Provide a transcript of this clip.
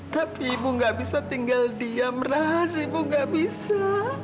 tapi ibu gak bisa tinggal diam rahasimu gak bisa